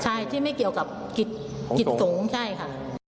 ใช่ที่ไม่เกี่ยวกับกิจสงฆ์ใช่ค่ะ